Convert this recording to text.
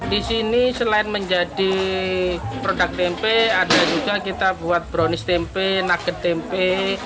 di sini selain menjadi produk tempe ada juga kita buat brownies tempe nuket tempe